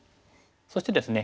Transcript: そしてですね